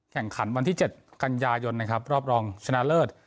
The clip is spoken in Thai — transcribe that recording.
แข่งขันวันที่๗กันยายนนะครับรอบรองชนะเลิศ